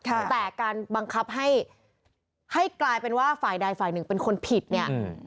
แต่การบังคับให้ให้กลายเป็นว่าฝ่ายใดฝ่ายหนึ่งเป็นคนผิดเนี่ย